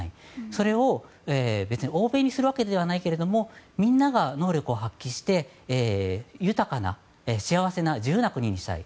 それを欧米にするわけではないけれどもみんなが能力を発揮して豊かな幸せな自由な国にしたい。